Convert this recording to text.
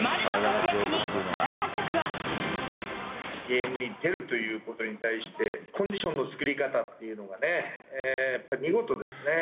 ゲームに出るということに対して、コンディションの作り方っていうのがね、やっぱり見事ですね。